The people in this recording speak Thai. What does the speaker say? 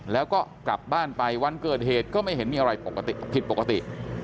แล้วก็กลับบ้านไปวันเกิดเหตุก็ไม่เห็นมีอะไรปกติผิดปกติ